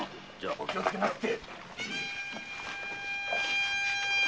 お気をつけなさって。